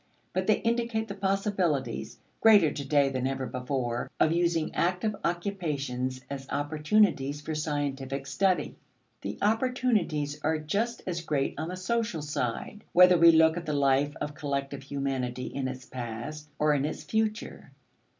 But they indicate the possibilities greater to day than ever before of using active occupations as opportunities for scientific study. The opportunities are just as great on the social side, whether we look at the life of collective humanity in its past or in its future.